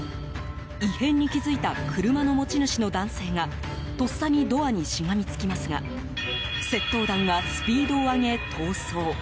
異変に気付いた車の持ち主の男性がとっさにドアにしがみつきますが窃盗団はスピードを上げ、逃走。